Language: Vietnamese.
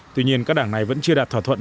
tuy nhiên các đảng này vẫn chưa đạt thỏa thuận